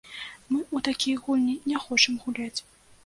Мы ў такія гульні не хочам гуляць.